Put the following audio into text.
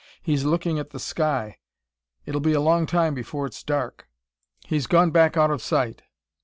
He's looking at the sky.... It'll be a long time before it's dark.... He's gone back out of sight...."